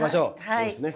そうですね。